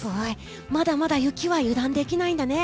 まだまだ雪は油断できないんだね。